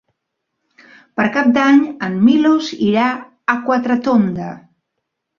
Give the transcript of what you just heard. Per Cap d'Any en Milos irà a Quatretonda.